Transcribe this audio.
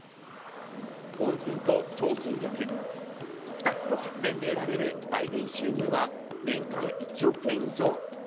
温泉と小水力、２つの発電で得られる売電収入は年間１億円以上。